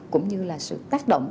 cũng như là sự tác động